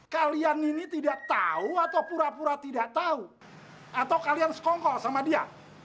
kalian ini tidak tahu atau pura pura tidak tahu atau kalian sekongkol sama dia